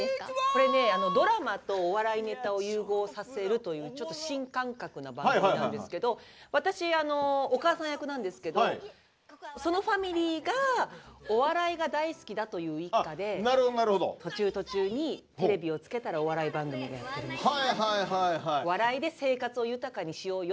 これねドラマとお笑いネタを融合させるというちょっと新感覚な番組なんですけど私お母さん役なんですけどそのファミリーがお笑いが大好きだという一家で途中途中にテレビをつけたらお笑い番組がやってるみたいな。